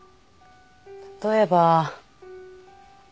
例えば。